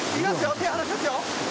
手、離しますよ。